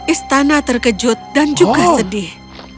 istana terkejut dan juga sedih